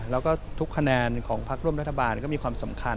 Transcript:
แล้วก็ทุกคะแนนของพักร่วมรัฐบาลก็มีความสำคัญ